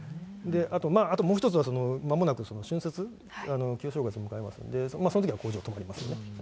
あともう一つは、まもなく春節、旧正月を迎えますので、そのときには工場が止まりますよね。